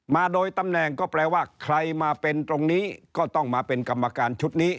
มาโดยตำแหน่งก็แปลว่าใครมาเป็นตรงนี้ก็ต้องมาเป็นกรรมการชุดนี้